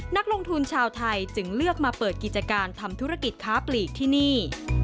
นักลงทุนชาวไทยจึงเลือกมาเปิดกิจการทำธุรกิจค้าปลีกที่นี่